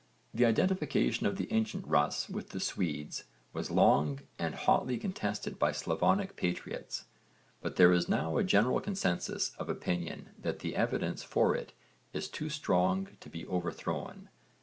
The identification of the ancient 'Rus' with the Swedes was long and hotly contested by Slavonic patriots but there is now a general consensus of opinion that the evidence for it is too strong to be overthrown.